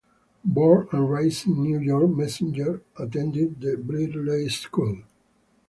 Born and raised in New York, Messinger attended the Brearley School.